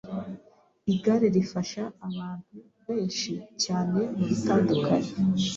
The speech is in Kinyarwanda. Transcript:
Igare rifasha abantu benshi cyane mu bitandukanye